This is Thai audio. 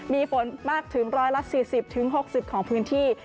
มีฝนมากถึง๑๔๐๖๐ของพื้นที่